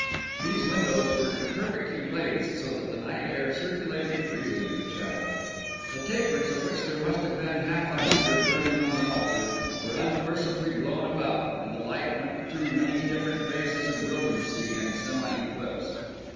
These windows were imperfectly glazed, so that the night air circulated freely in the chapel. The tapers, of which there must have been half a hundred burning on the altar, were unmercifully blown about; and the light went through many different phases of brilliancy and semi eclipse.